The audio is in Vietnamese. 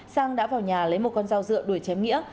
sang đã vào nhà lấy một con dao dựa đuổi chém nghĩa